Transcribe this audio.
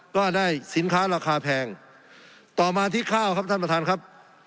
ก็ได้สินค้าราคาแพงต่อมาที่ข้าวครับท่านประธานครับ